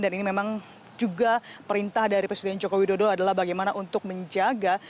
dan ini memang juga perintah dari presiden joko widodo adalah bagaimana untuk menjaga